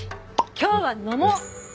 今日は飲もう！